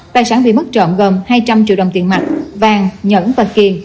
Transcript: tài sản bị mất trộm gồm hai trăm linh triệu đồng tiền mạch vàng nhẫn và kiền